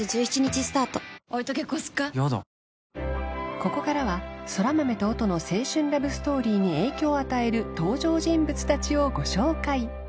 ここからは空豆と音の青春ラブストーリーに影響を与える登場人物達をご紹介